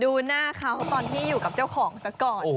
ดูหน้าเขาตอนที่อยู่กับเจ้าของซะก่อน